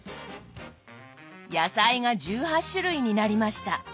野菜が１８種類になりました。